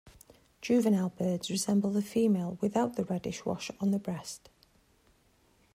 Juvenile birds resemble the female without the reddish wash on the breast.